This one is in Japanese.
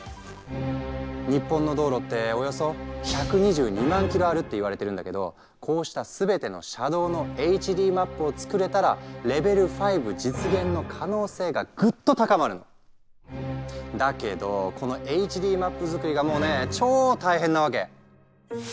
日本の道路っておよそ１２２万ｋｍあるって言われてるんだけどこうした全ての車道のＨＤマップを作れたらレベル５実現の可能性がぐっと高まるの。だけどこのＨＤマップ作りがもうね超大変なわけ。